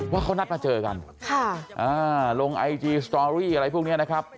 ว่าเขานัดมาเจอกันลงไอจีสตอรี่อะไรพวกนี้นะครับ